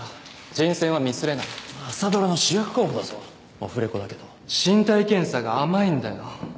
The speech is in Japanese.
人選はミスれない朝ドラの主役候補だぞオフレコだけど身体検査が甘いんだよ